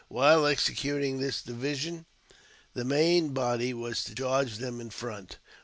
While executing this diversion, the main body was to charge them in front.